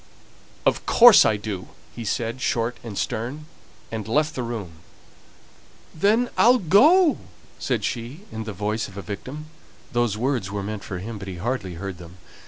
"Of course I do!" he said, short and stern, and left the room. "Then I'll go!" said she, in the voice of a victim those words were meant for him, but he hardly heard them.